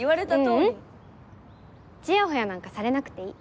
ううんチヤホヤなんかされなくていい。